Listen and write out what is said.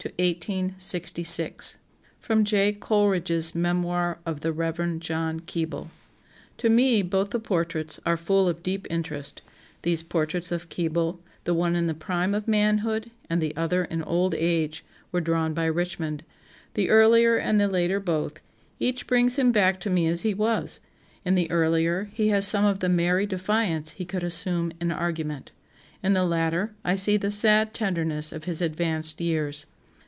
JOHN KEBLE 1792 1866 [Sidenote: J. Coleridge's Memoir of the Rev. John Keble.] "To me both the portraits are full of deep interest" (these portraits of Keble, the one in the prime of manhood and the other in old age, were drawn by Richmond), "the earlier and the later both each brings him back to me as he was; in the earlier, he has some of the merry defiance he could assume in argument; in the latter, I see the sad tenderness of his advanced years.